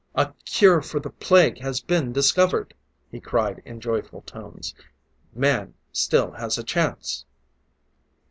"A cure for the Plague has been discovered!" he cried in joyful tones. "Man still has a chance!"